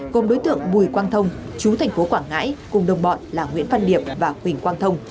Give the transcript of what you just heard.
gồm đối tượng bùi quang thông chú thành phố quảng ngãi cùng đồng bọn là nguyễn văn điệp và huỳnh quang thông